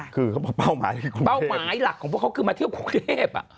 คือเขาบอกเป้าหมายคือเป้าหมายหลักของพวกเขาคือมาเที่ยวกรุงเทพ